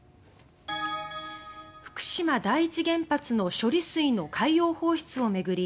福島第一原発の処理水の海洋放出を巡り